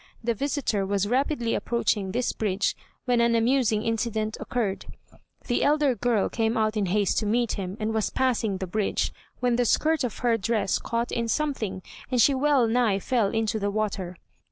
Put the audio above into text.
The visitor was rapidly approaching this bridge when an amusing incident occurred: The elder girl came out in haste to meet him, and was passing the bridge, when the skirt of her dress caught in something, and she well nigh fell into the water.